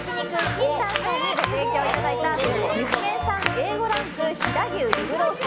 ＫＩＮＴＡＮさんにご提供いただいた岐阜県産Ａ５ランク飛騨牛リブロース